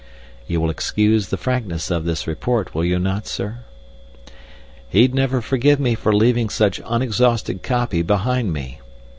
(You will excuse the frankness of this report, will you not, sir?) "He'd never forgive me for leaving such unexhausted copy behind me.